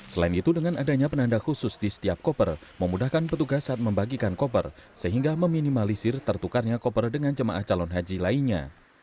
selain itu dengan adanya penanda khusus di setiap koper memudahkan petugas saat membagikan koper sehingga meminimalisir tertukarnya koper dengan jemaah calon haji lainnya